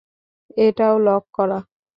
এটাও লক করা।